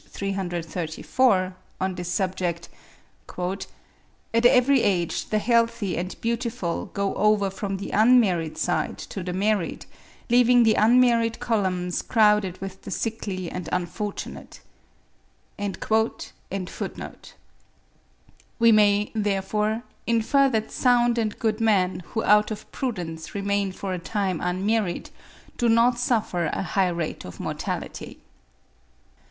334) on this subject: "At every age the healthy and beautiful go over from the unmarried side to the married, leaving the unmarried columns crowded with the sickly and unfortunate.") We may, therefore, infer that sound and good men who out of prudence remain for a time unmarried, do not suffer a high rate of mortality.